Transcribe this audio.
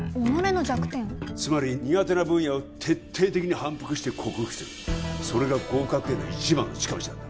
つまり苦手な分野を徹底的に反復して克服するそれが合格への一番の近道なんだ